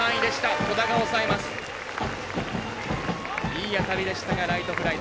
いい当たりでしたがライトフライ。